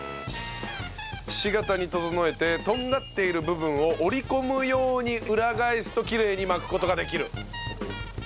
ひし形に整えてとんがっている部分を折り込むように裏返すとキレイに巻く事ができる。